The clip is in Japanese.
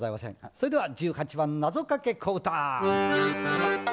それでは１８番「なぞかけ小唄」。